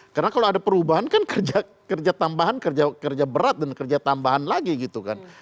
karena kalau ada perubahan kan kerja tambahan kerja berat dan kerja tambahan lagi gitu kan